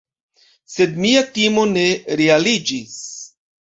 Sed mia timo ne realiĝis.